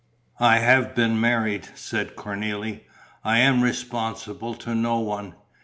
"I have been married," said Cornélie. "I am responsible to no one.